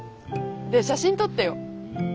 で写真撮ってよ。